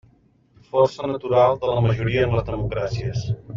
Força natural de la majoria en les democràcies.